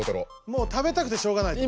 もう食べたくてしょうがないと？